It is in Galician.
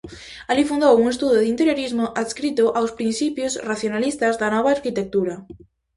Alí fundou un estudo de interiorismo adscrito aos principios racionalistas da nova arquitectura.